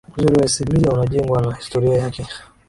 uzuri wa isimila unajengwa na historia yake